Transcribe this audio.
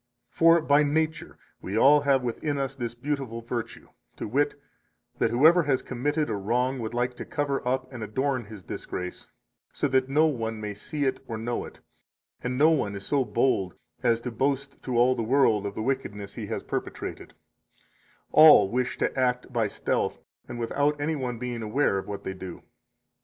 59 For by nature we all have within us this beautiful virtue, to wit, that whoever has committed a wrong would like to cover up and adorn his disgrace, so that no one may see it or know it; and no one is so bold as to boast to all the world of the wickedness he has perpetrated; all wish to act by stealth and without any one being aware of what they do.